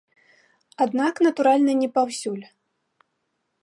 Аднак, натуральна, не паўсюль.